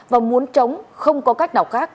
và muốn chống không có cách nào khác